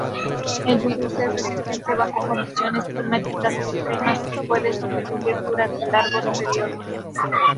El virus es resistente bajo condiciones climáticas extremas y puede sobrevivir durante largos períodos.